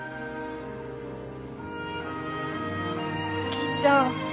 きいちゃん。